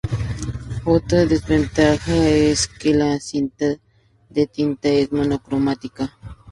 Otra desventaja es que la cinta de tinta es monocromática.